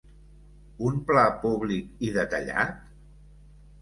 Un pla públic i detallat?